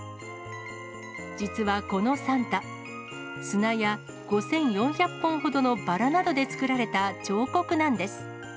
実はこのサンタ、砂や５４００本ほどのバラなどで作られた彫刻なんです。